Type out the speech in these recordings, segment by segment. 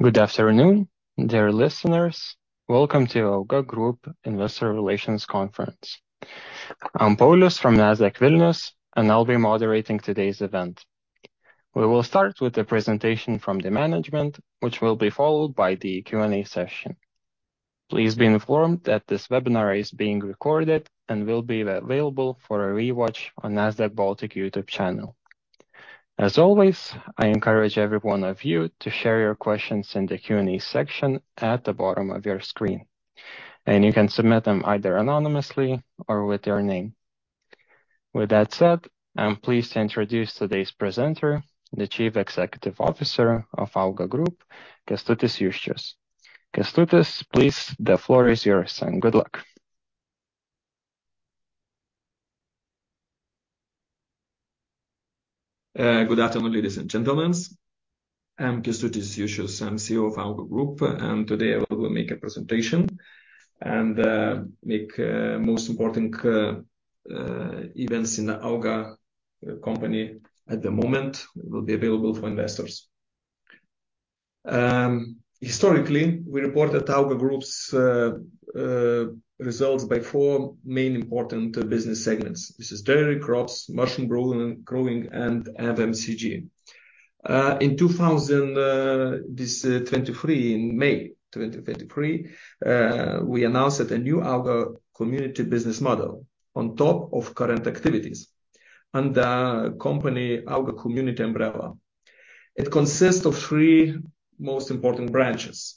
Good afternoon, dear listeners. Welcome to AUGA Group Investor Relations conference. I'm Paulius from Nasdaq Vilnius, and I'll be moderating today's event. We will start with the presentation from the management, which will be followed by the Q&A session. Please be informed that this webinar is being recorded and will be available for a rewatch on Nasdaq Baltic YouTube channel. As always, I encourage every one of you to share your questions in the Q&A section at the bottom of your screen, and you can submit them either anonymously or with your name. With that said, I'm pleased to introduce today's presenter, the Chief Executive Officer of AUGA Group, Kęstutis Juščius. Kęstutis, please, the floor is yours, and good luck. Good afternoon, ladies and gentlemen. I'm Kęstutis Juščius. I'm CEO of AUGA Group, and today I will make a presentation and make most important events in the AUGA company at the moment available for investors. Historically, we reported AUGA Group's results by four main important business segments. This is dairy, crops, mushroom growing, and FMCG. In 2023, in May 2023, we announced that a new AUGA Community business model on top of current activities under company AUGA Community umbrella. It consists of three most important branches.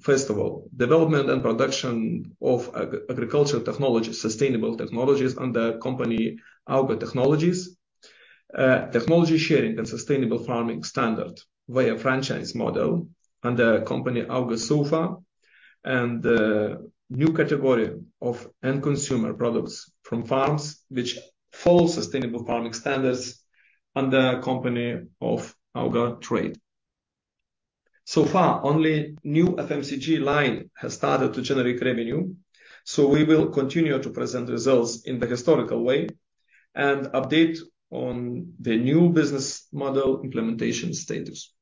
First of all, development and production of agricultural technologies, sustainable technologies under company AUGA Technologies. Technology sharing and sustainable farming standard via franchise model under company AUGA SOFA, and the new category of end-consumer products from farms, which follow sustainable farming standards under company of AUGA Trade. So far, only new FMCG line has started to generate revenue, so we will continue to present results in the historical way and update on the new business model implementation status.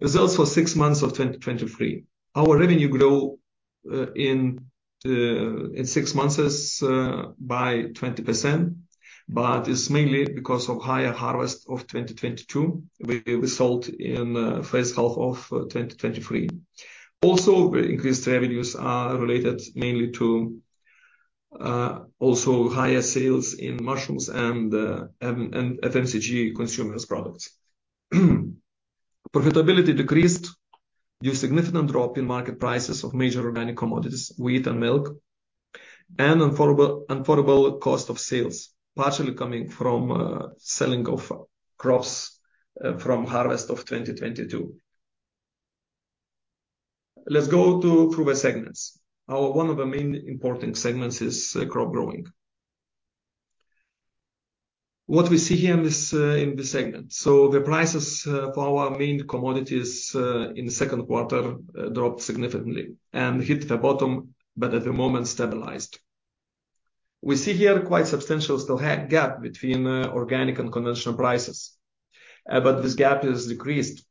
Results for six months of 2023. Our revenue grow in six months is by 20%, but it's mainly because of higher harvest of 2022 which we sold in first half of 2023. Also, the increased revenues are related mainly to also higher sales in mushrooms and FMCG consumer products. Profitability decreased due to significant drop in market prices of major organic commodities, wheat and milk, and unaffordable cost of sales, partially coming from selling of crops from harvest of 2022. Let's go through the segments. One of the main important segments is crop growing. What we see here in this segment? So the prices for our main commodities in the second quarter dropped significantly and hit the bottom, but at the moment, stabilized. We see here quite substantial still gap between organic and conventional prices, but this gap is decreased.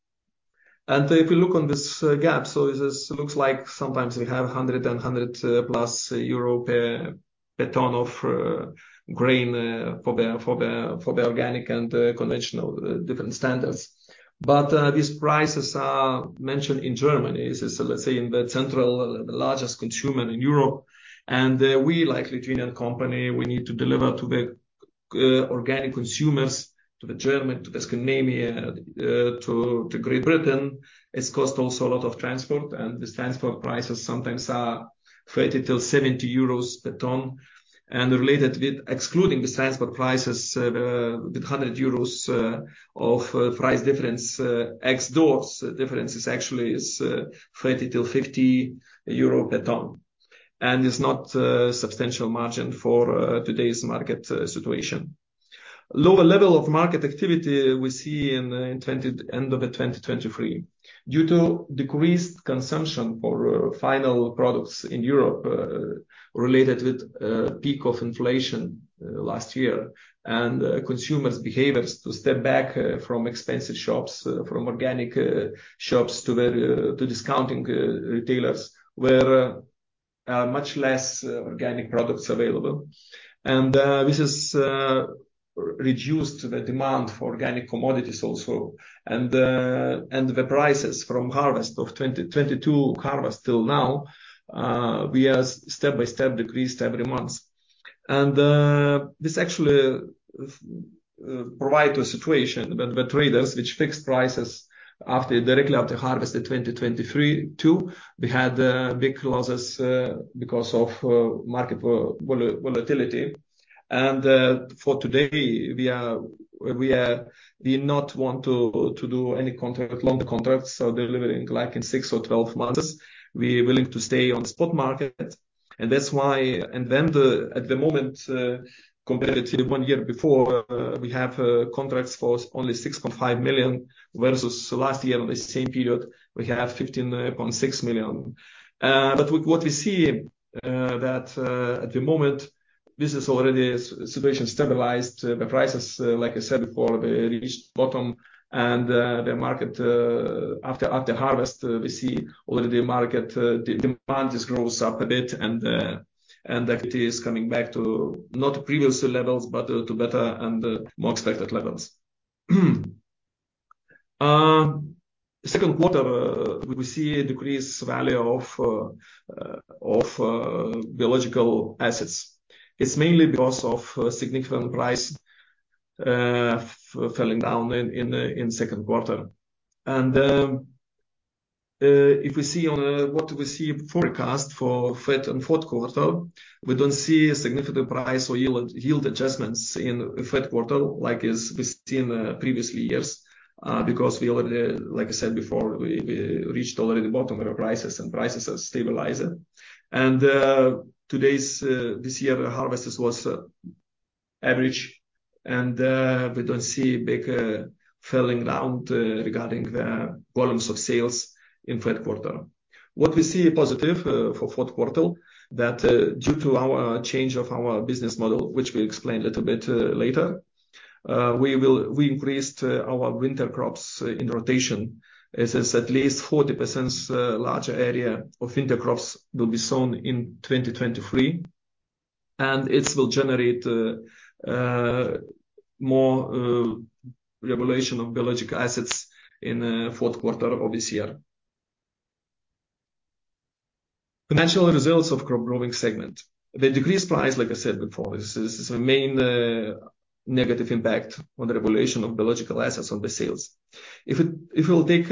And if you look on this gap, so it looks like sometimes we have 100 and 100+ euro per ton of grain for the organic and conventional different standards. But these prices are mentioned in Germany. This is, let's say, in the central, the largest consumer in Europe, and we like Lithuanian company, we need to deliver to the organic consumers, to the German, to Scandinavia, to Great Britain. It costs also a lot of transport, and the transport prices sometimes are 30-70 euros per ton. And related with excluding the transport prices, the EUR 100 of price difference, ex-works difference is actually 30-50 euro per ton, and it's not a substantial margin for today's market situation. Lower level of market activity we see in end of 2023, due to decreased consumption for final products in Europe, related with peak of inflation last year, and consumers behaviors to step back from expensive shops, from organic shops to the to discounting retailers, where much less organic products available. And this has reduced the demand for organic commodities also. And and the prices from harvest of 2022 harvest till now we have step by step decreased every month. And this actually provide to a situation that the traders which fixed prices after directly after harvest in 2023 too, we had big losses because of market volatility. And for today, we are, we are... We not want to do any contract, long contracts, so delivering, like, in six or 12 months. We're willing to stay on spot market, and that's why. And then at the moment, comparative one year before, we have contracts for only 6.5 million, versus last year, the same period, we have 15.6 million. But what we see that at the moment this is already situation stabilized. The prices, like I said before, they reached bottom, and the market after harvest we see already the market the demand is grows up a bit, and that it is coming back to not previous levels, but to better and more expected levels. Second quarter we see a decreased value of biological assets. It's mainly because of significant price falling down in the second quarter. And if we see on what we see forecast for third and fourth quarter, we don't see a significant price or yield adjustments in third quarter, like as we've seen previously years. Because we already, like I said before, we reached already the bottom of the prices, and prices are stabilized. And this year, the harvest was average, and we don't see big falling down regarding the volumes of sales in third quarter. What we see positive for fourth quarter, that due to our change of our business model, which we'll explain a little bit later, we increased our winter crops in rotation. This is at least 40% larger area of winter crops will be sown in 2023, and it will generate more revaluation of biological assets in fourth quarter of this year. Financial results of crop growing segment. The decreased price, like I said before, this is the main negative impact on the revaluation of biological assets on the sales. If we'll take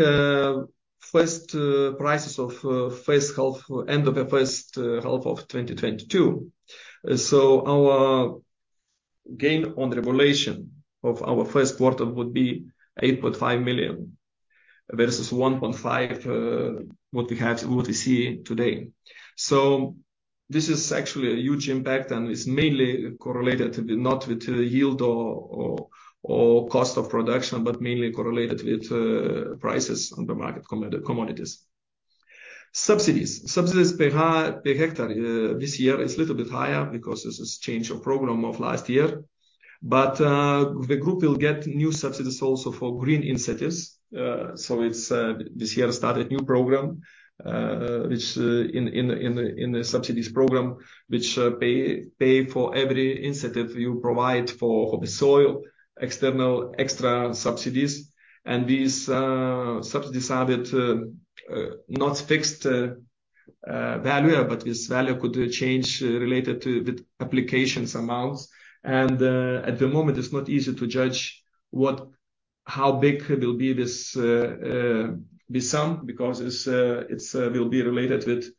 first prices of first half, end of the first half of 2022, so our gain on revaluation of our first quarter would be 8.5 million, versus 1.5 million, what we have, what we see today. So this is actually a huge impact, and it's mainly correlated with... not with the yield or cost of production, but mainly correlated with prices on the market commodities. Subsidies. Subsidies per hectare this year is little bit higher because there's a change of program of last year. But the group will get new subsidies also for green incentives. So it's this year started new program which in the subsidies program which pay for every incentive you provide for the soil, external extra subsidies. And these subsidies are not fixed value, but this value could change related to the applications amounts. And at the moment, it's not easy to judge how big will be this sum, because it's will be related with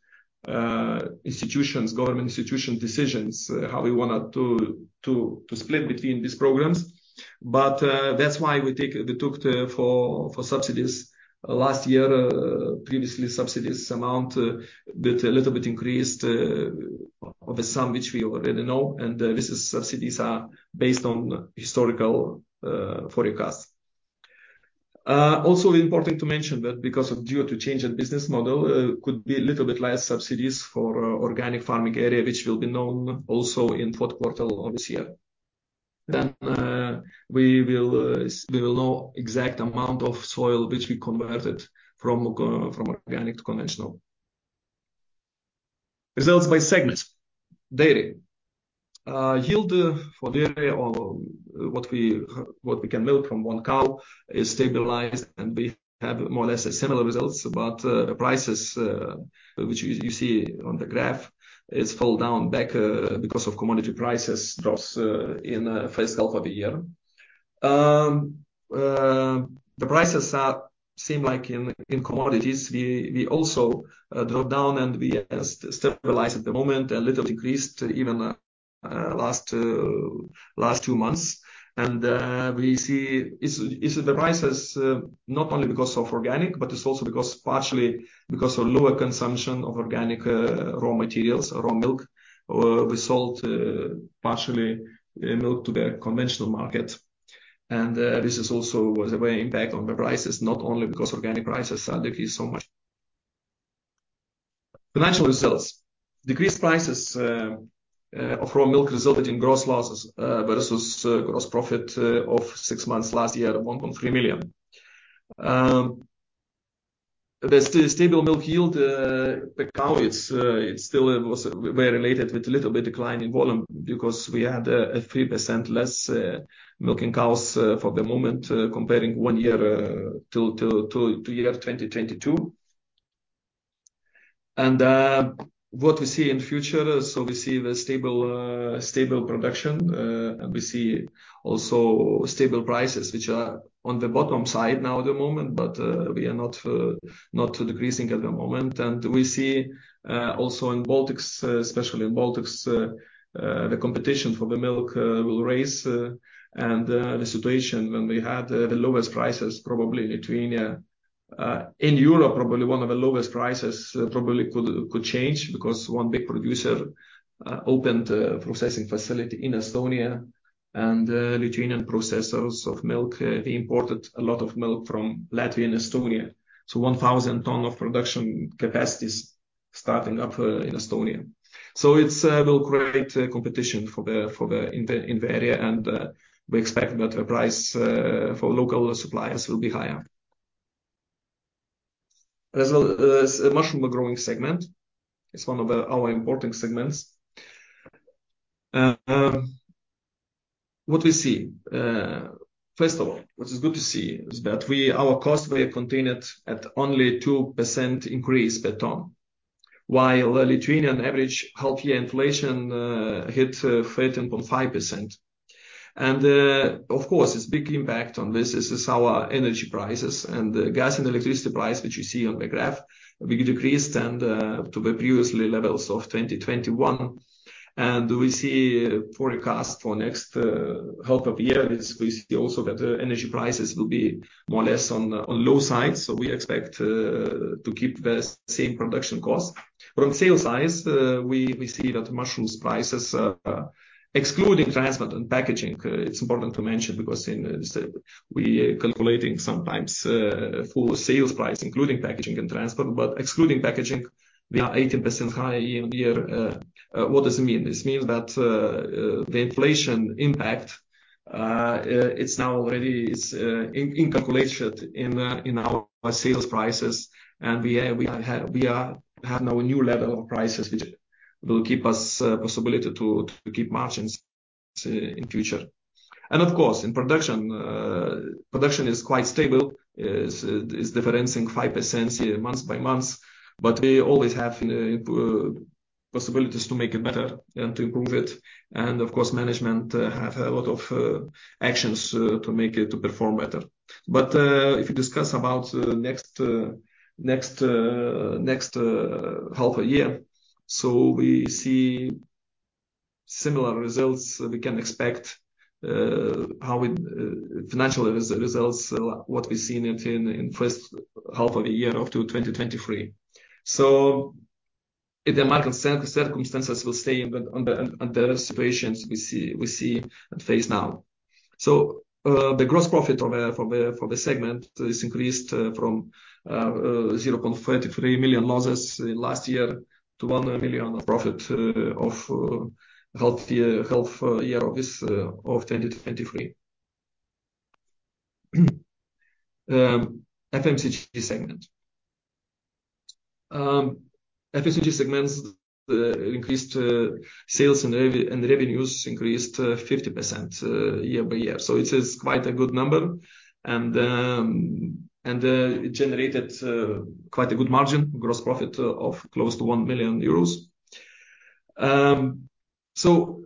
institutions, government institution decisions how we wanna to split between these programs. But, that's why we took the forecast for subsidies last year, the previous subsidies amount, that a little bit increased, of the sum, which we already know, and, this is subsidies are based on historical forecast. Also important to mention that due to change in business model, could be a little bit less subsidies for organic farming area, which will be known also in fourth quarter of this year. Then, we will know exact amount of soil which we converted from from organic to conventional. Results by segments. Dairy. Yield for dairy or what we can milk from one cow is stabilized, and we have more or less a similar results. But prices, which you see on the graph, it's fall down back because of commodity prices drops in first half of the year. The prices are seem like in commodities, we also drop down, and we stabilize at the moment, a little decreased even last two months. We see it's the prices, not only because of organic, but it's also because partially because of lower consumption of organic raw materials or raw milk. We sold partially milk to the conventional market, and this is also the way impact on the prices, not only because organic prices are decreased so much. Financial results. Decreased prices of raw milk resulted in gross losses versus gross profit of six months last year, 1.3 million. The stable milk yield per cow, it's still was very related with a little bit decline in volume because we had 3% less milking cows for the moment, comparing one year to year 2022. What we see in future, so we see the stable production. We see also stable prices, which are on the bottom side now at the moment, but we are not decreasing at the moment. We see also in Baltics, especially in Baltics, the competition for the milk will raise, and the situation when we had the lowest prices, probably in Lithuania, in Europe, probably one of the lowest prices, probably could change because one big producer opened a processing facility in Estonia, and Lithuanian processors of milk, they imported a lot of milk from Latvia and Estonia. So 1,000 ton of production capacity is starting up in Estonia. So it will create a competition in the area, and we expect that the price for local suppliers will be higher. There's a mushroom growing segment. It's one of our important segments. What we see, first of all, what is good to see is that our costs were contained at only 2% increase per ton, while the Lithuanian average whole year inflation hit 13.5%. And, of course, it's big impact on this is our energy prices and the gas and electricity price, which you see on the graph, we decreased and to the previous levels of 2021. And we see a forecast for next half of year, is we see also that the energy prices will be more or less on the low side, so we expect to keep the same production cost. But on sales side, we see that mushrooms prices, excluding transport and packaging, it's important to mention because in this, we are calculating sometimes full sales price, including packaging and transport, but excluding packaging, we are 18% higher year-on-year. What does it mean? This means that the inflation impact is now already calculated in our sales prices, and we have now a new level of prices, which will keep us possibility to keep margins in future. And of course, in production, production is quite stable, is differing 5% month-by-month, but we always have possibilities to make it better and to improve it. Of course, management have a lot of actions to make it perform better. But if you discuss about next half a year, so we see similar results. We can expect how it financial results what we see in first half of the year up to 2023. So if the market circumstances will stay in the on the situations we see we see at phase now. So the gross profit for the segment is increased from 0.33 million losses in last year to 1 million profit of half year of 2023. FMCG segment. FMCG segments increased sales and revenues increased 50% year-over-year. So it is quite a good number, and it generated quite a good margin, gross profit of close to 1 million euros. So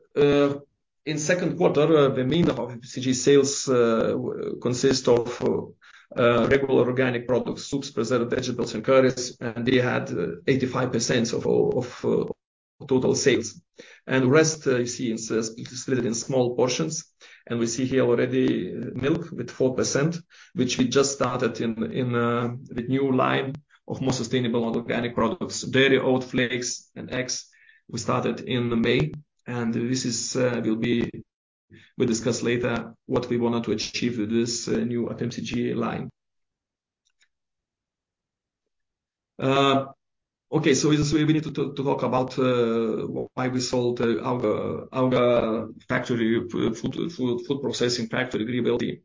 in second quarter the main of FMCG sales consist of regular organic products: soups, preserved vegetables, and curries, and they had 85% of all total sales. And the rest you see is distributed in small portions, and we see here already milk with 4%, which we just started in the new line of more sustainable organic products, dairy, oat flakes, and eggs. We started in May, and this we discuss later what we wanted to achieve with this new FMCG line. Okay, we need to talk about why we sold our food processing factory, Grybai LT.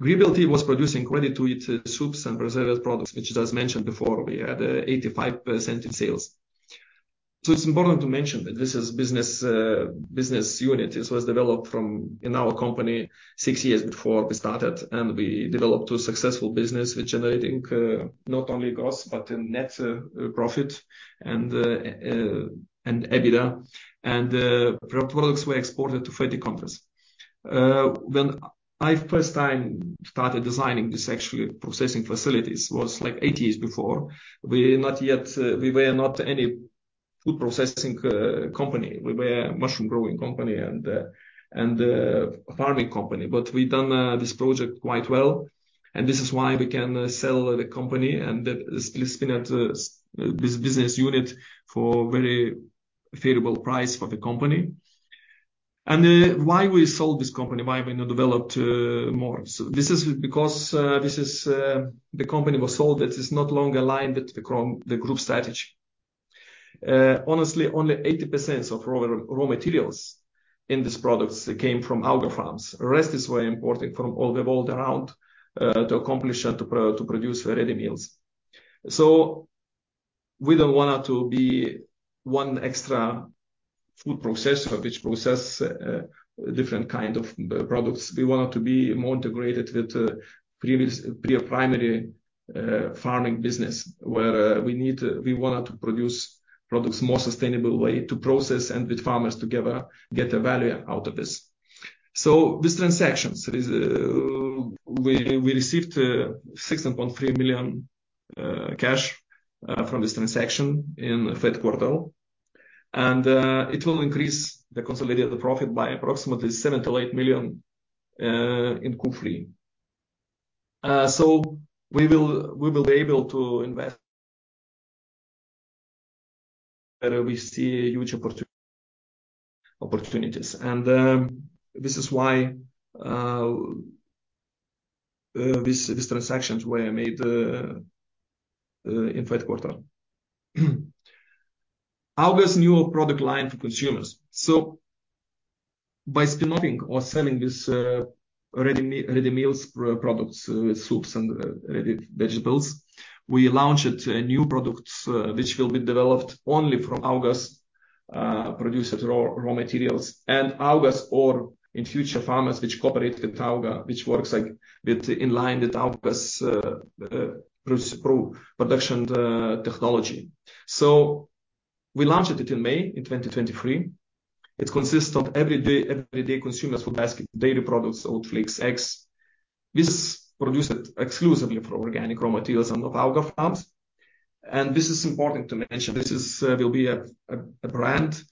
Grybai LT was producing ready-to-eat soups and preserved products, which I just mentioned before, we had 85% in sales. So it's important to mention that this is business unit. This was developed from in our company six years before we started, and we developed a successful business with generating not only gross, but net profit and EBITDA, and the products were exported to 30 countries. When I first time started designing this, actually, processing facilities was like eight years before. We not yet, we were not any food processing company. We were a mushroom growing company and farming company. We done this project quite well, and this is why we can sell the company and the split spin out this business unit for very favorable price for the company. Why we sold this company? Why we not developed more? This is because the company was sold, it is no longer aligned with the group strategy. Honestly, only 80% of raw materials in these products came from our farms. The rest is we're importing from all the world around to accomplish and to produce ready meals. So we don't want to be one extra food processor, which process different kind of products. We want to be more integrated with previous primary farming business, where we need to we want to produce products more sustainable way to process and with farmers together get the value out of this. So this transaction is we received 6.3 million cash from this transaction in the third quarter, and it will increase the consolidated profit by approximately 7 million-8 million in Q3. So we will be able to invest where we see huge opportunities, and this is why these transactions were made in fourth quarter. AUGA's new product line for consumers. So by spin-offing or selling this, ready meals products, soups and ready vegetables, we launched new products, which will be developed only from AUGA's produced raw materials. And AUGA's or in future, farmers which cooperate with AUGA, which works like with in line with AUGA's production technology. So we launched it in May 2023. It consists of everyday consumers food basket, dairy products, oat flakes, eggs. This produced exclusively for organic raw materials and of AUGA farms. And this is important to mention, this is will be a brand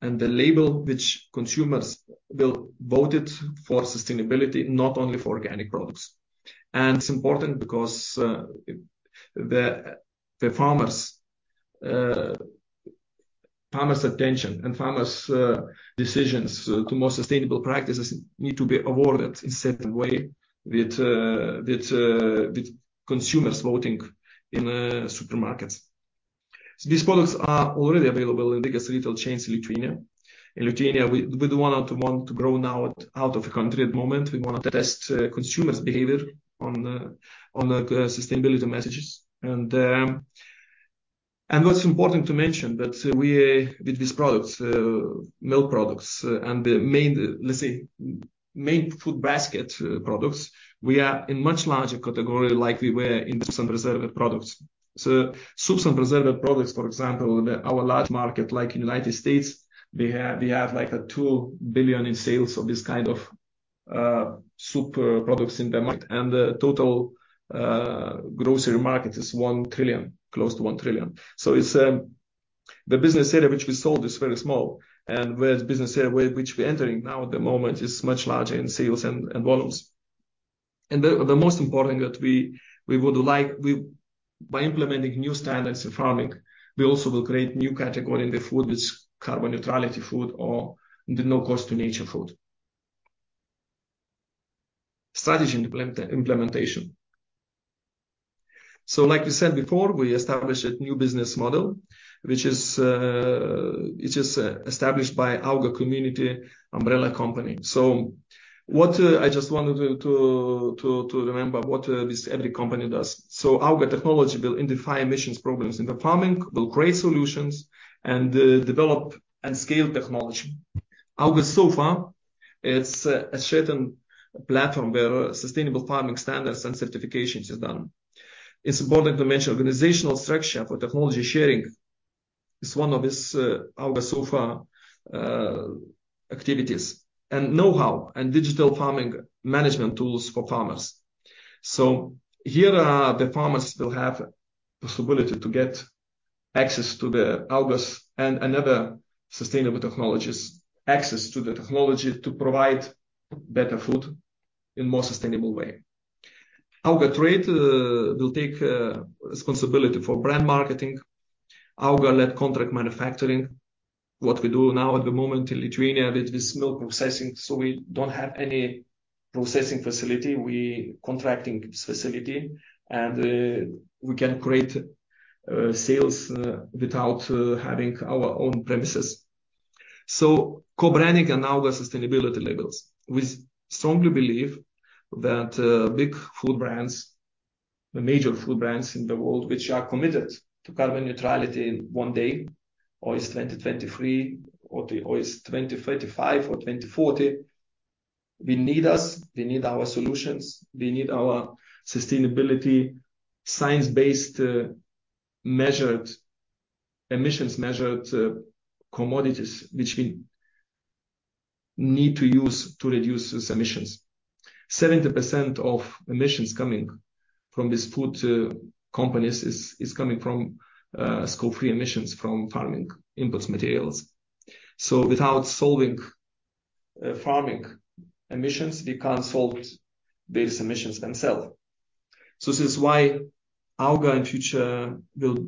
and a label which consumers will vote it for sustainability, not only for organic products. It's important because the farmers' attention and farmers' decisions to more sustainable practices need to be awarded in certain way with consumers voting in supermarkets. So these products are already available in the biggest retail chains in Lithuania. In Lithuania, we do want to grow now out of the country at the moment. We wanna test consumers' behavior on the sustainability messages. What's important to mention that with these products, milk products, and the main, let's say, main food basket products, we are in much larger category like we were in soups and preserved products. So soups and preserved products, for example, our large market, like in United States, they have, like, $2 billion in sales of this kind of soup products in the market, and the total grocery market is $1 trillion, close to $1 trillion. So it's the business area which we sold is very small, and whereas business area which we're entering now at the moment is much larger in sales and volumes. And the most important that we would like. We... By implementing new standards in farming, we also will create new category in the food, which is carbon neutrality food or the no cost to nature food. Strategy implementation. So like we said before, we established a new business model, which is established by AUGA Community Umbrella Company. So what, I just wanted to remember what this every company does. So AUGA Technologies will identify emissions problems in the farming, will create solutions, and develop and scale technology. AUGA SOFA, it's a certain platform where sustainable farming standards and certifications is done. It's important to mention, organizational structure for technology sharing is one of this AUGA SOFA activities, and know-how, and digital farming management tools for farmers. So here, the farmers will have possibility to get access to the AUGA's and another sustainable technologies, access to the technology to provide better food in more sustainable way. AUGA Trade will take responsibility for brand marketing. AUGA-led contract manufacturing, what we do now at the moment in Lithuania with this milk processing, so we don't have any processing facility. We contracting this facility, and we can create sales without having our own premises. So co-branding and AUGA sustainability labels. We strongly believe that big food brands, the major food brands in the world, which are committed to carbon neutrality in one day, or is 2023, or to or is 2035 or 2040, they need us, they need our solutions, they need our sustainability, science-based measured emissions measured commodities, which we need to use to reduce these emissions. 70% of emissions coming from these food companies is coming from Scope 3 emissions from farming inputs materials. So without solving farming emissions, we can't solve these emissions themselves. So this is why AUGA in future will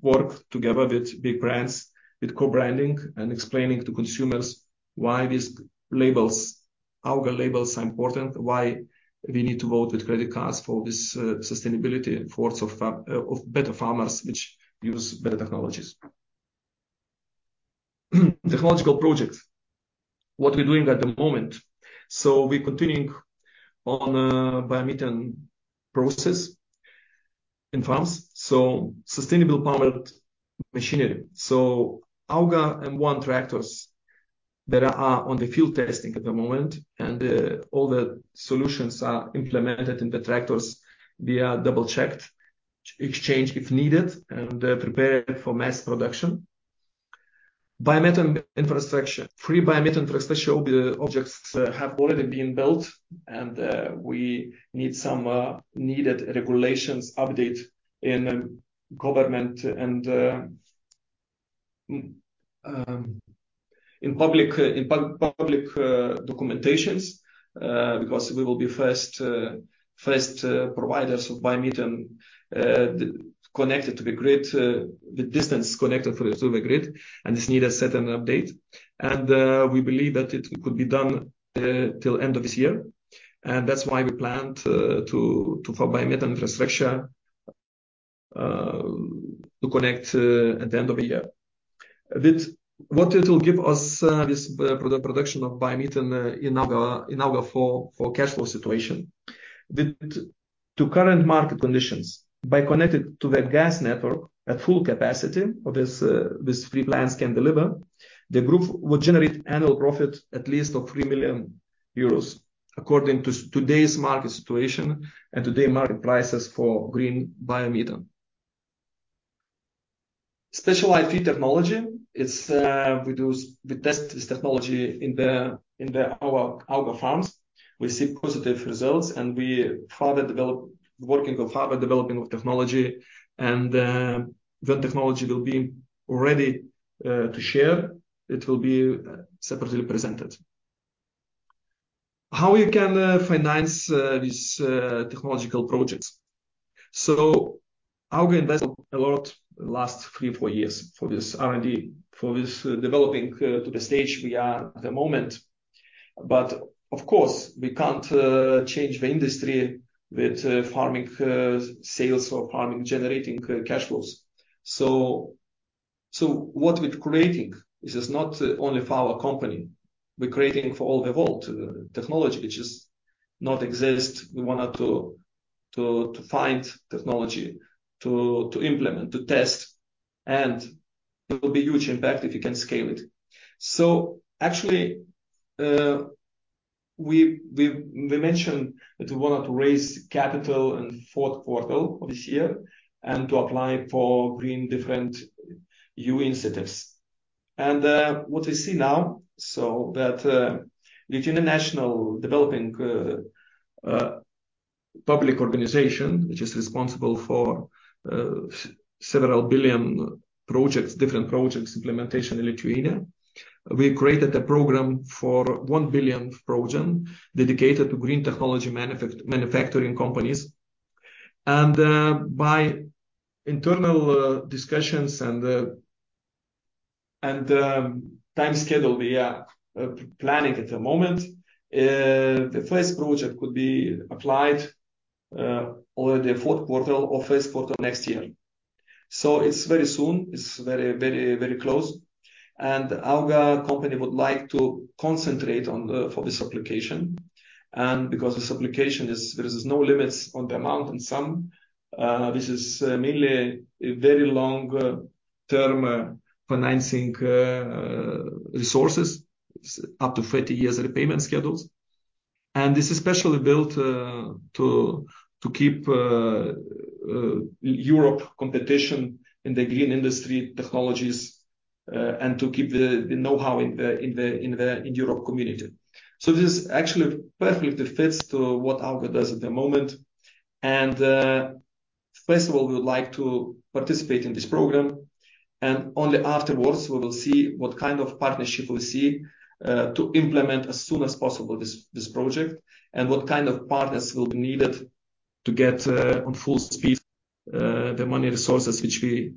work together with big brands, with co-branding and explaining to consumers why these labels, AUGA labels, are important, why we need to vote with credit cards for this, sustainability and force of better farmers which use better technologies. Technological projects, what we're doing at the moment. So we're continuing on, biomethane process in farms, so sustainable powered machinery. So AUGA M1 tractors that are on the field testing at the moment, and, all the solutions are implemented in the tractors. They are double-checked, exchange if needed, and, prepared for mass production. Biomethane infrastructure. Three biomethane infrastructure objects have already been built, and, we need some needed regulations update in government and in public, in public documentations, because we will be first providers of biomethane connected to the grid, the distance connected for the to the grid, and this need a certain update. And, we believe that it could be done till end of this year, and that's why we planned to for biomethane infrastructure to connect at the end of the year. What it will give us, this production of biomethane, in our for cash flow situation? To current market conditions, by connecting to the gas network at full capacity of these three plants can deliver, the group will generate annual profit at least of 3 million euros, according to today's market situation and today market prices for green biomethane. Specialized feed technology, it's we test this technology in our farms. We see positive results, and we further develop working on further developing of technology, and when technology will be ready to share, it will be separately presented. How we can finance these technological projects? So AUGA invest a lot last 3-4 years for this R&D, for this developing to the stage we are at the moment. But of course, we can't change the industry with farming sales or farming generating cash flows. So what we're creating, this is not only for our company, we're creating for all the world technology which is not exist. We wanted to find technology to implement, to test, and it will be huge impact if you can scale it. So actually, we mentioned that we wanted to raise capital in fourth quarter of this year and to apply for green different EU incentives. And what we see now, so that the international development public organization, which is responsible for several billion EUR projects, different projects implementation in Lithuania, we created a program for 1 billion project dedicated to green technology manufacturing companies. And by internal discussions and time schedule, we are planning at the moment, the first project could be applied already fourth quarter or first quarter of next year. So it's very soon. It's very, very, very close. AUGA company would like to concentrate on for this application, and because this application there is no limits on the amount and sum, this is mainly a very long term financing resources up to 30 years repayment schedules. This is specially built to keep Europe competition in the green industry technologies, and to keep the know-how in the Europe community. So this actually perfectly fits to what AUGA does at the moment. First of all, we would like to participate in this program, and only afterwards we will see what kind of partnership we see to implement as soon as possible this project, and what kind of partners will be needed to get on full speed the money resources, which we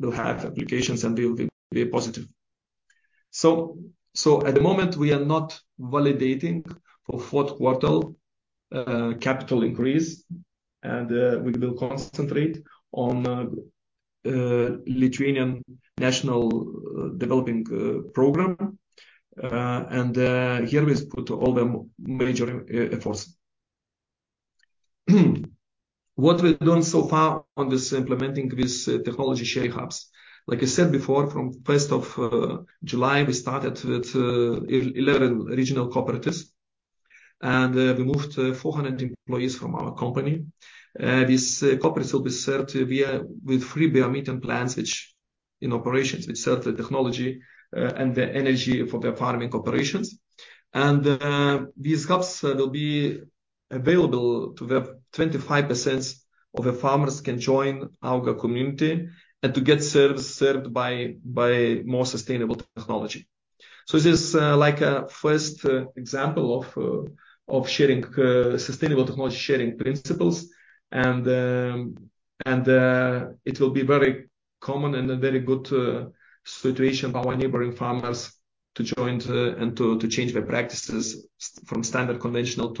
will have applications and will be a positive. So at the moment, we are not validating for fourth quarter capital increase, and we will concentrate on Lithuanian National Development Program. And here we put all the major efforts. What we've done so far on this implementing this technology sharing hubs? Like I said before, from 1st of July, we started with 11 regional cooperatives, and we moved 400 employees from our company. These cooperatives will be served with three biomethane plants, which in operations, which serve the technology, and the energy for their farming operations. And these hubs will be available to the 25% of the farmers can join AUGA Community and to get service served by more sustainable technology. So this is like a first example of sharing sustainable technology, sharing principles, and it will be very common and a very good situation for our neighboring farmers to join and to change their practices from standard conventional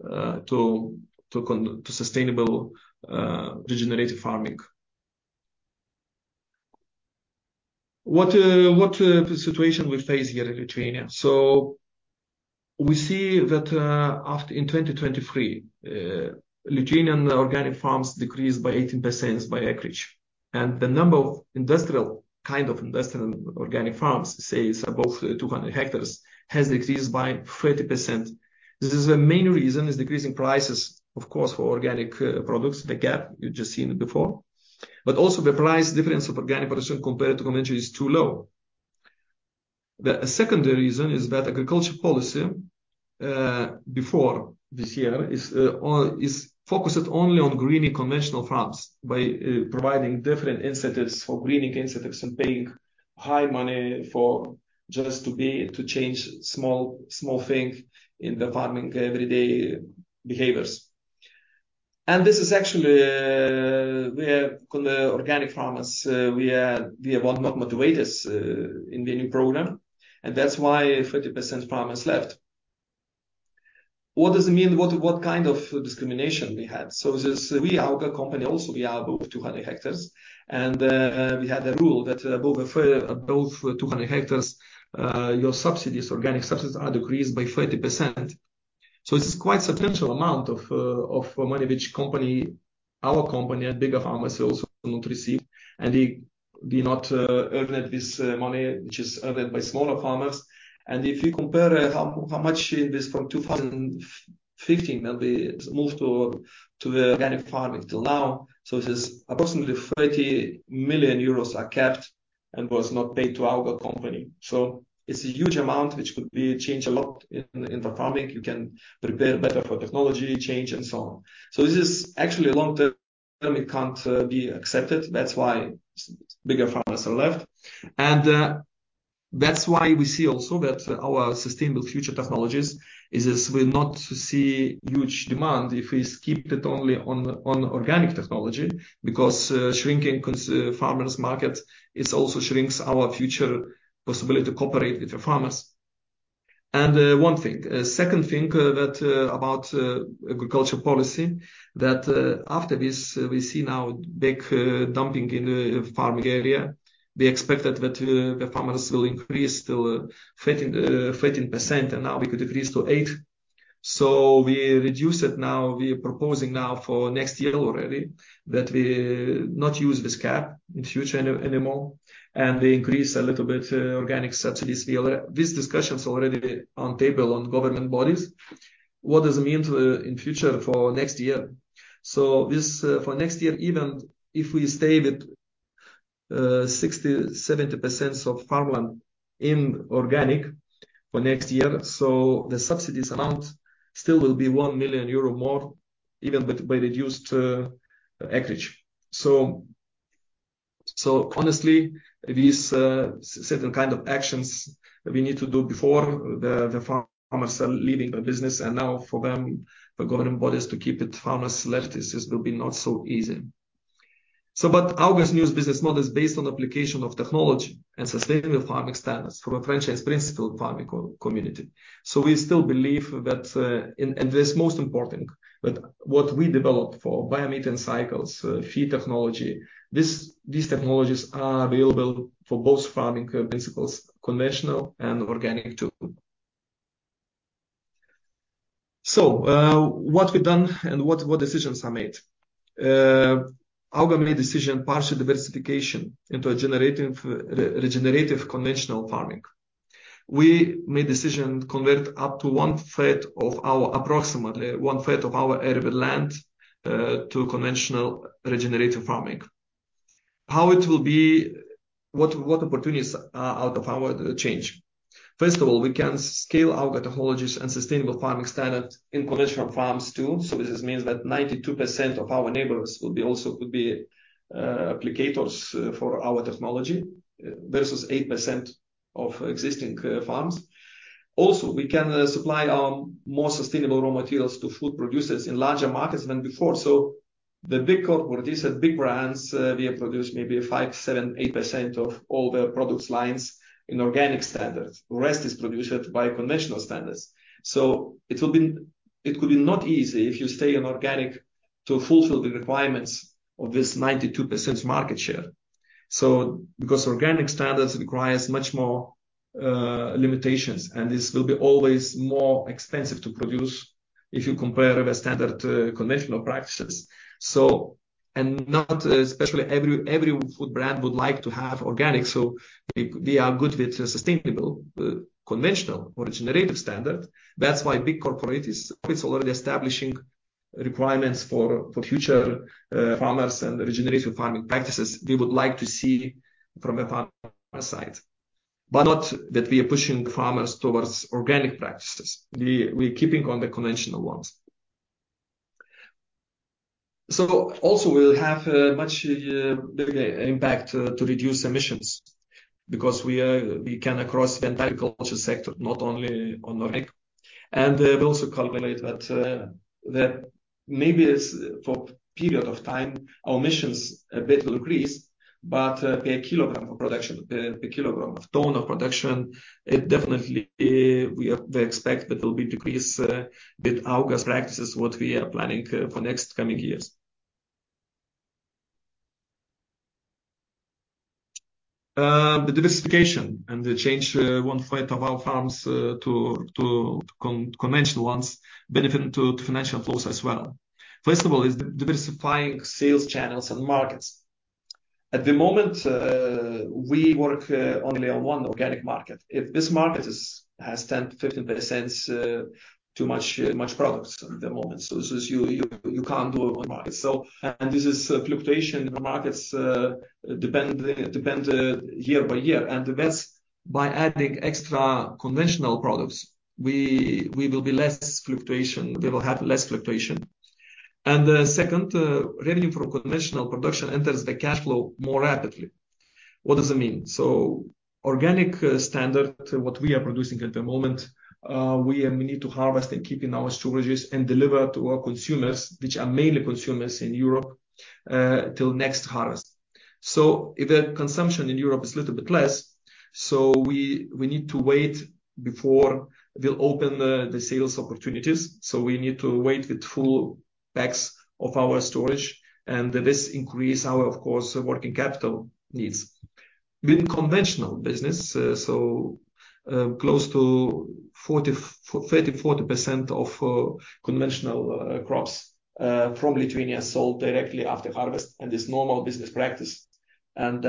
to sustainable regenerative farming. What situation we face here in Lithuania? So we see that, after in 2023, Lithuanian organic farms decreased by 18% by acreage, and the number of industrial, kind of industrial organic farms, say, above 200 hectares, has decreased by 30%. This is the main reason, is decreasing prices, of course, for organic products, the gap you've just seen before, but also the price difference of organic production compared to conventional is too low. The secondary reason is that agriculture policy before this year is focused only on greening conventional farms by providing different incentives for greening incentives and paying high money for just to be, to change small, small things in the farming everyday behaviors. This is actually, we have called organic farmers, we are, we are not motivators in the new program, and that's why 40% farmers left. What does it mean? What, what kind of discrimination we had? So this, we, our company also, we are above 200 hectares, and we had a rule that above a certain, above 200 hectares, your subsidies, organic subsidies are decreased by 30%. So this is quite substantial amount of, of money, which our company and bigger farmers also not receive, and they do not earn this money, which is earned by smaller farmers. And if you compare, how, how much in this from 2015 that we moved to, to the organic farming till now, so this is approximately 30 million euros are kept and was not paid to our company. So it's a huge amount, which could be changed a lot in, in the farming. You can prepare better for technology change and so on. So this is actually a long-term, it can't be accepted. That's why bigger farmers are left, and, that's why we see also that our sustainable future technologies is, we not see huge demand if we keep it only on, on organic technology, because, shrinking farmers markets, it also shrinks our future possibility to cooperate with the farmers. And, one thing, second thing, that, about, agriculture policy, that, after this, we see now big, dumping in the farming area. We expected that, the farmers will increase to 13%. And now we could decrease to 8%. So we reduce it now. We are proposing now for next year already, that we not use this cap in future anymore, and we increase a little bit, organic subsidies. We are... This discussion is already on table on government bodies. What does it mean to, in future for next year? So this, for next year, even if we stay with, 60%-70% of farmland in organic for next year, so the subsidies amount still will be 1 million euro more, even with by reduced, acreage. So, so honestly, these, certain kind of actions we need to do before the, the farmers are leaving the business, and now for them, the government bodies, to keep it farmers left, this, this will be not so easy. So, but AUGA's new business model is based on application of technology and sustainable farming standards from a franchise principle farming co-community. So we still believe that, and this most important, that what we developed for biomethane cycles, feed technology, this, these technologies are available for both farming principles, conventional and organic, too. So, what we've done and what decisions are made? AUGA made decision, partial diversification into regenerative conventional farming. We made decision convert up to one third of our, approximately one third of our arable land, to conventional regenerative farming. How it will be? What opportunities are out of our change? First of all, we can scale our technologies and sustainable farming standards in conventional farms, too. So this means that 92% of our neighbors will be also, could be, applicators for our technology, versus 8% of existing farms. Also, we can supply our more sustainable raw materials to food producers in larger markets than before. So the big corporate, these are big brands, we have produced maybe 5%, 7%, 8% of all their product lines in organic standards. The rest is produced by conventional standards. So it could be not easy if you stay on organic to fulfill the requirements of this 92% market share. So, because organic standards requires much more limitations, and this will be always more expensive to produce if you compare the standard conventional practices. So, and not especially every food brand would like to have organic, so we are good with sustainable conventional or regenerative standard. That's why big corporate is already establishing requirements for future farmers and regenerative farming practices we would like to see from a farmer side. But not that we are pushing farmers towards organic practices. We keeping on the conventional ones. So also, we'll have a much bigger impact to reduce emissions, because we can across the entire agriculture sector, not only on organic. And we also calculate that that maybe is for period of time, our emissions a bit will increase, but per kilogram of production, per kilogram of tonne of production, it definitely we expect that there will be decrease with AUGA's practices, what we are planning for next coming years. The diversification and the change, one third of our farms to conventional ones, benefit to financial flows as well. First of all, is diversifying sales channels and markets. At the moment, we work only on one organic market. If this market is, has 10%-15% too much products at the moment, so you can't do on market. So, and this is a fluctuation in the markets, depend year by year, and by adding extra conventional products, we will be less fluctuation, we will have less fluctuation. And the second, revenue from conventional production enters the cash flow more rapidly. What does it mean? So organic standard, what we are producing at the moment, we need to harvest and keep in our storages and deliver to our consumers, which are mainly consumers in Europe, till next harvest. So if the consumption in Europe is little bit less, so we need to wait before we'll open the sales opportunities. So we need to wait with full bags of our storage, and this increases our, of course, working capital needs. With conventional business, close to 30%-40% of conventional crops from Lithuania sold directly after harvest, and this normal business practice. And,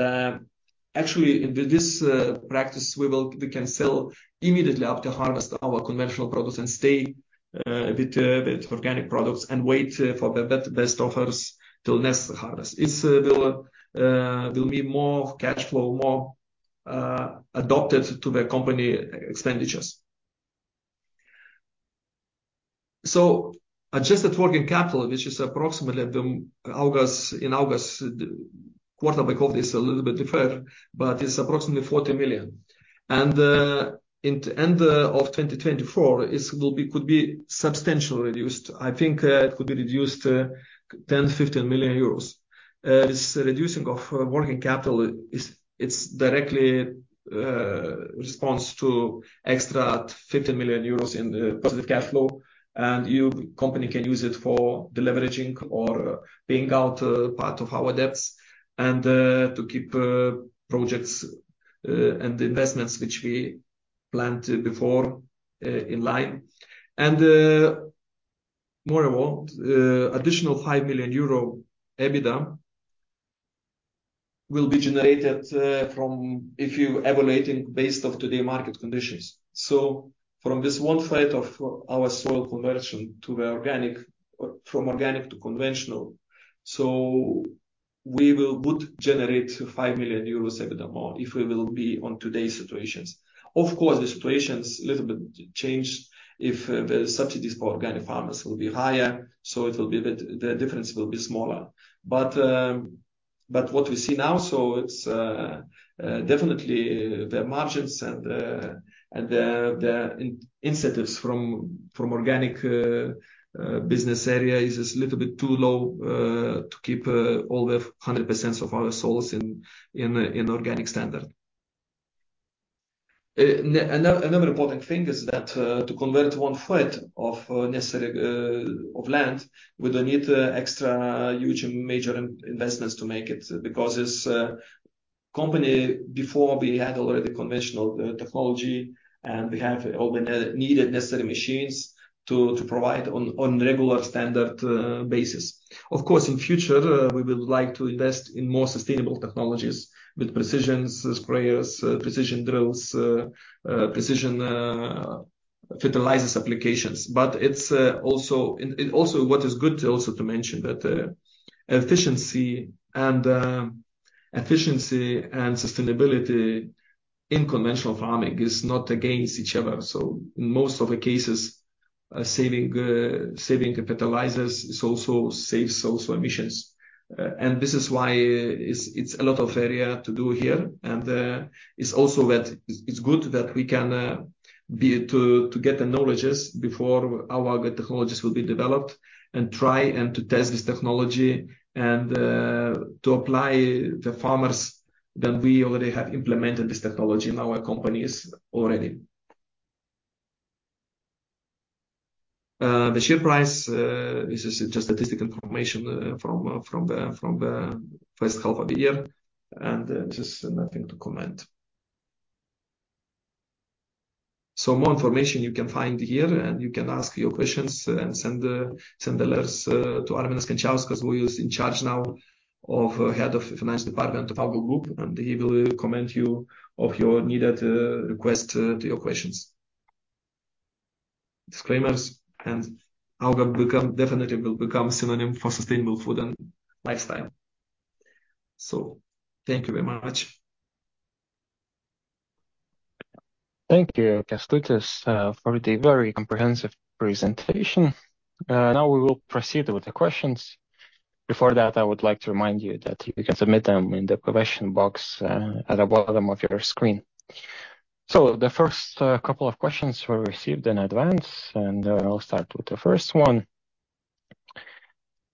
actually, with this practice, we can sell immediately after harvest our conventional products and stay with organic products and wait for the best offers till next harvest. It will be more cash flow, more adopted to the company expenditures. So adjusted working capital, which is approximately at the August. In August, the quarter we called is a little bit different, but it's approximately 40 million. And in the end of 2024, it could be substantially reduced. I think it could be reduced 10 million-15 million euros. This reducing of working capital is, it's direct response to extra 50 million euros in the positive cash flow, and the company can use it for deleveraging or paying out part of our debts and to keep projects and the investments which we planned before in line. And moreover, additional EUR 5 million EBITDA will be generated from if you evaluating based off today market conditions. So from this one side of our soil conversion to the organic, or from organic to conventional, so we will generate 5 million euros EBITDA more if we will be on today's situations. Of course, the situation's a little bit changed if the subsidies for organic farmers will be higher, so it will be a bit... the difference will be smaller. But, but what we see now, so it's definitely the margins and the incentives from organic business area is just a little bit too low to keep all 100% of our soils in organic standard. Another important thing is that to convert 1/5 of necessary of land, we don't need extra huge and major investments to make it, because this company before we had already conventional technology, and we have all the needed necessary machines to provide on regular standard basis. Of course, in future, we would like to invest in more sustainable technologies with precision sprayers, precision drills, precision fertilizers applications. But it's also... And also, what is good to also to mention that efficiency and efficiency and sustainability in conventional farming is not against each other. So in most of the cases, saving saving fertilizers is also saves also emissions. And this is why it's a lot of area to do here, and it's also that it's good that we can to get the knowledge before our technologies will be developed and try and to test this technology and to apply the farmers that we already have implemented this technology in our companies already. The share price, this is just statistical information from the first half of the year, and just nothing to comment. So more information you can find here, and you can ask your questions and send the letters to Arminas Kančiauskas, who is in charge now of Head of Finance Department of AUGA group, and he will comment you of your needed request to your questions. Disclaimers, and AUGA definitely will become synonym for sustainable food and lifestyle. So thank you very much. Thank you, Kęstutis, for the very comprehensive presentation. Now we will proceed with the questions. Before that, I would like to remind you that you can submit them in the question box, at the bottom of your screen. So the first couple of questions were received in advance, and, I'll start with the first one.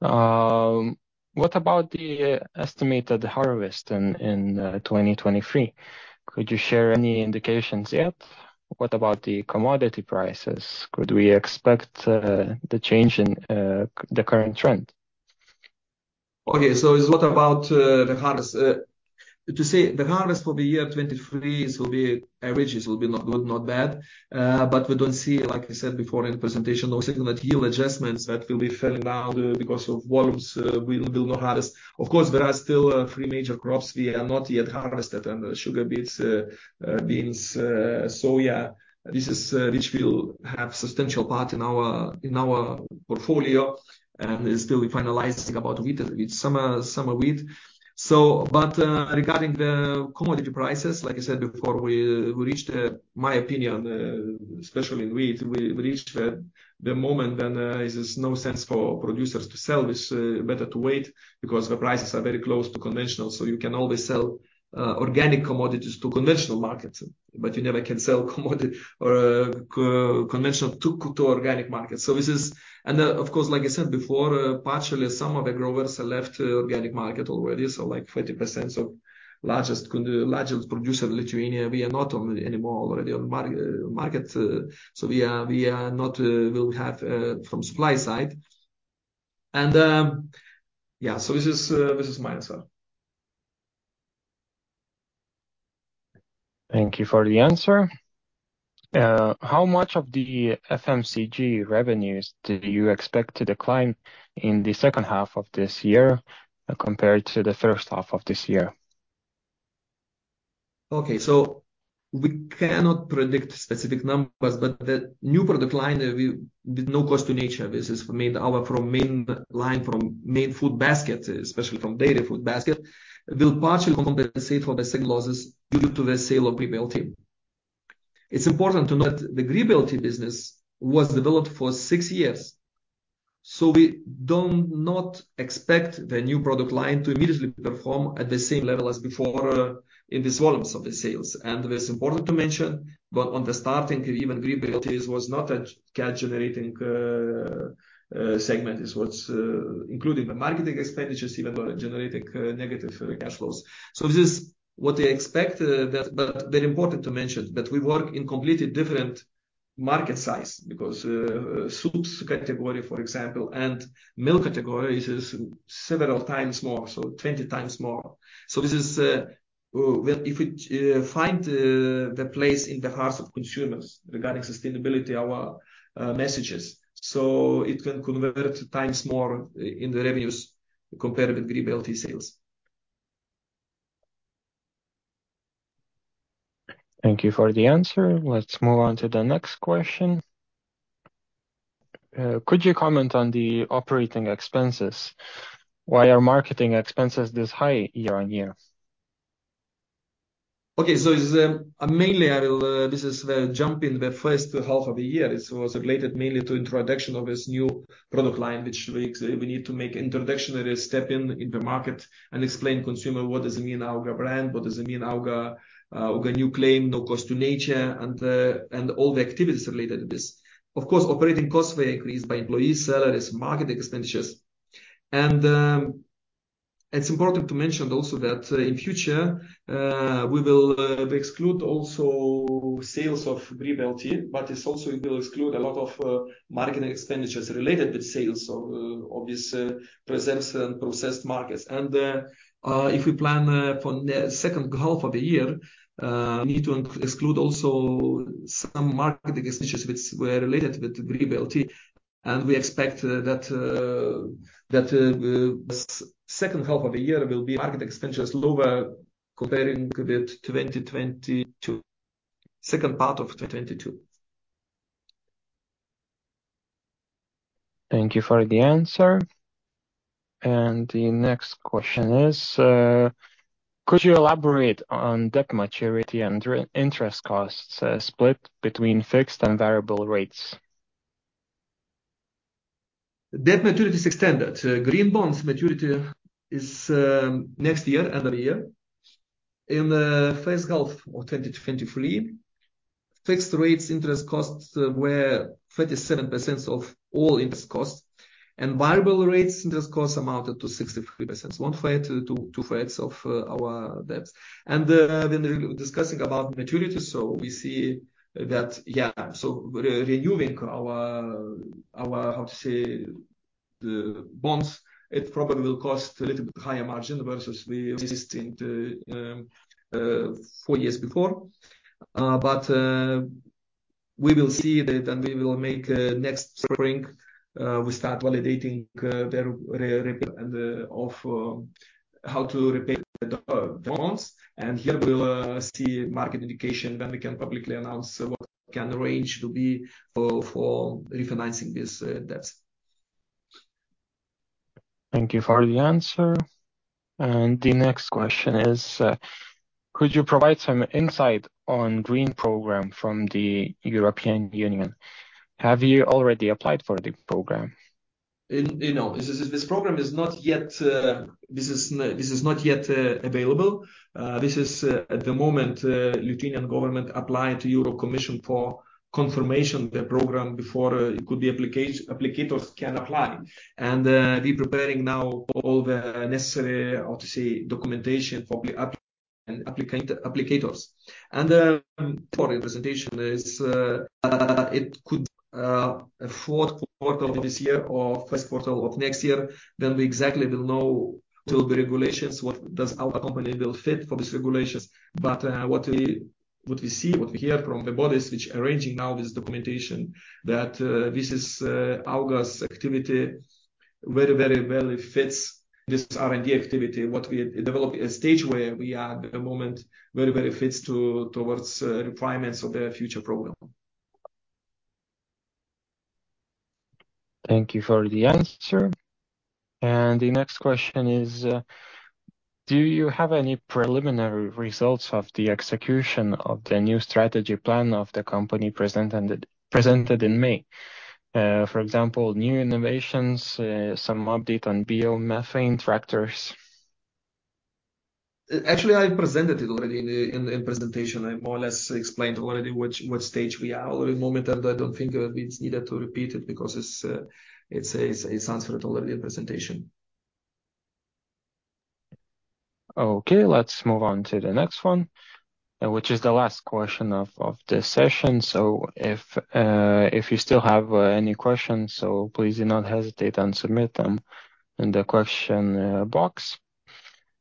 What about the estimated harvest in 2023? Could you share any indications yet? What about the commodity prices? Could we expect the change in the current trend? Okay, so what about the harvest? To say, the harvest for the year 2023, it will be average, it will be not good, not bad. But we don't see, like I said before in the presentation, no significant yield adjustments that will be falling down because of worms. We will not harvest. Of course, there are still three major crops we have not yet harvested, and the sugar beets, beans, soya, this is which will have substantial part in our portfolio, and still we're finalizing about wheat. It's summer wheat. So, but regarding the commodity prices, like I said before, we reached, my opinion, especially in wheat, we reached the moment when it is no sense for producers to sell. It's better to wait because the prices are very close to conventional. So you can always sell organic commodities to conventional markets, but you never can sell commodity or conventional to organic markets. So this is. And of course, like I said before, partially some of the growers have left the organic market already, so like 40% of largest producer in Lithuania, we are not on anymore already on market. So we are, we are not will have from supply side. And yeah, so this is, this is mine as well. Thank you for the answer. How much of the FMCG revenues do you expect to decline in the second half of this year compared to the first half of this year? Okay. So we cannot predict specific numbers, but the new product line that we... With no cost to nature, this is made from our main line, from main food basket, especially from dairy food basket, will partially compensate for the same losses due to the sale of Grybai LT. It's important to note the Grybai LT business was developed for six years, so we don't not expect the new product line to immediately perform at the same level as before, in the volumes of the sales. And that's important to mention, but on the starting, even Grybai LT, it was not a cash-generating segment. It was, including the marketing expenditures, even though generating, negative cash flows. So this is what they expect, but, but very important to mention that we work in completely different market size, because soups category, for example, and milk categories is several times more, so 20 times more. So this is, well, if we find the place in the hearts of consumers regarding sustainability our messages, so it can convert times more in the revenues compared with Grybai LT sales. Thank you for the answer. Let's move on to the next question. Could you comment on the operating expenses? Why are marketing expenses this high year-over-year? Okay, so it's, mainly I will, this is the jump in the first half of the year. It was related mainly to introduction of this new product line, which we, we need to make introductory step in, in the market and explain consumer what does it mean, AUGA brand, what does it mean AUGA, AUGA new claim, no cost to nature, and, and all the activities related to this. Of course, operating costs were increased by employee salaries, marketing expenditures. It's important to mention also that in future, we will, exclude also sales of green bonds, but it's also will exclude a lot of, marketing expenditures related with sales of, of this, preserves and processed markets. If we plan for the second half of the year, we need to exclude also some marketing expenditures which were related with green bond, and we expect that second half of the year will be marketing expenditures lower comparing with 2022, second part of 2022. Thank you for the answer. The next question is: Could you elaborate on debt maturity and refinancing interest costs, split between fixed and variable rates? Debt maturity is extended. Green bonds maturity is next year, end of the year. In the first half of 2023, fixed rates interest costs were 37% of all interest costs, and variable rates interest costs amounted to 63%, one third to two-thirds of our debts. When discussing about maturity, we see that renewing our, how to say, the bonds, it probably will cost a little bit higher margin versus the existing four years before. But we will see that, and we will make next spring we start validating the re- and of how to repay the bonds. And here we'll see market indication, then we can publicly announce what kind of range it will be for refinancing this debts. Thank you for the answer. The next question is: Could you provide some insight on green program from the European Union? Have you already applied for the program? You know, this program is not yet available. At the moment, the Lithuanian government applied to the European Commission for confirmation the program before applicants can apply. And, we're preparing now all the necessary documentation for the applicants. And, the presentation is, it could be fourth quarter of this year or first quarter of next year, then we exactly will know to the regulations, what does our company will fit for these regulations. But, what we see, what we hear from the bodies which are arranging now this documentation, that this is AUGA's activity very, very well fits this R&D activity. What we develop a stage where we are at the moment, very, very fits towards requirements of the future program. Thank you for the answer. The next question is, do you have any preliminary results of the execution of the new strategy plan of the company presented, presented in May? For example, new innovations, some update on biomethane tractors. Actually, I presented it already in the presentation. I more or less explained already what stage we are at the moment, and I don't think it's needed to repeat it because it's answered already in presentation. Okay, let's move on to the next one, which is the last question of this session. So if you still have any questions, so please do not hesitate and submit them in the question box.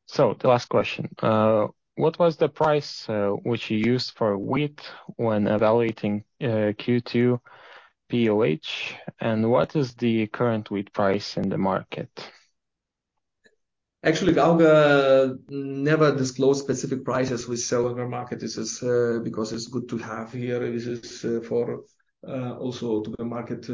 So the last question: What was the price which you used for wheat when evaluating Q2 POH, and what is the current wheat price in the market? Actually, AUGA never disclosed specific prices we sell in the market. This is, because it's good to have here. This is, for, also to the market,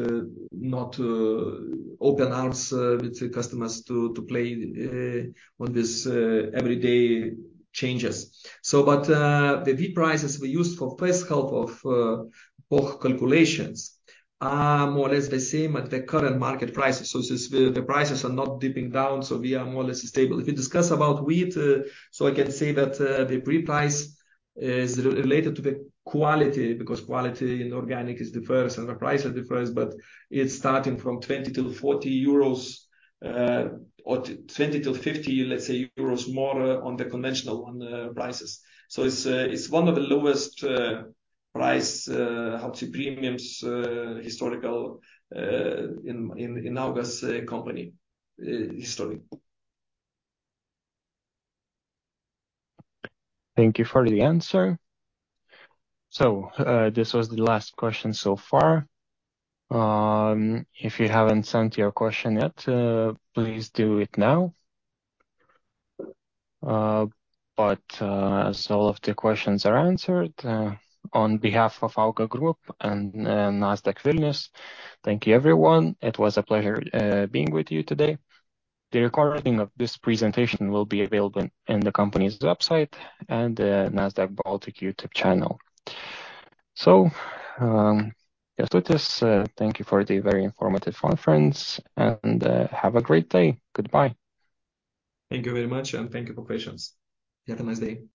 not to open arms, with the customers to, to play, on this, everyday changes. But, the wheat prices we used for first half of, both calculations are more or less the same at the current market prices. So since the, the prices are not dipping down, so we are more or less stable. If you discuss about wheat, so I can say that, the wheat price is related to the quality, because quality in organic is differs and the price are differs, but it's starting from 20-40 euros or 20-50, let's say, more on the conventional on the prices. So it's one of the lowest price how to premiums historical in AUGA's company historically. Thank you for the answer. So, this was the last question so far. If you haven't sent your question yet, please do it now. But so all of the questions are answered. On behalf of AUGA group and Nasdaq Vilnius, thank you, everyone. It was a pleasure being with you today. The recording of this presentation will be available in the company's website and the Nasdaq Baltic YouTube channel. So, Kęstutis, thank you for the very informative conference, and have a great day. Goodbye. Thank you very much, and thank you for patience. Have a nice day.